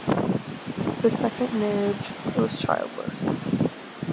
The second marriage was childless.